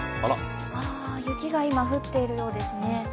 雪が今降っているようですね。